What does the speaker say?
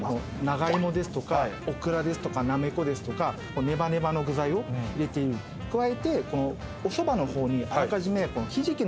長芋ですとかオクラですとかなめこですとかネバネバの具材を入れておそばの方にあらかじめひじきの方を交ぜて。